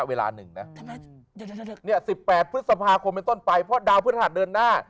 เวลาหนึ่งนะ๑๘พฤษภาคมเป็นต้นไปเพราะดาวพฤหัสเดินหน้า